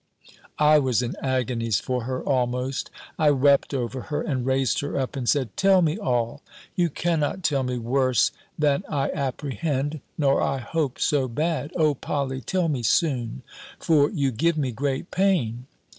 I was in agonies for her, almost; I wept over her, and raised her up, and said, "Tell me all. You cannot tell me worse than I apprehend, nor I hope so bad! O Polly, tell me soon. For you give me great pain."